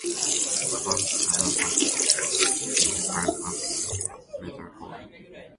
The band's genre has been described as metalcore.